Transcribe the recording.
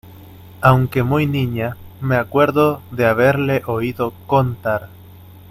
aunque muy niña, me acuerdo de haberle oído contar...